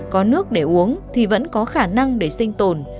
có nước để uống thì vẫn có khả năng để sinh tồn